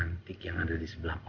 mana ada desin rojak dia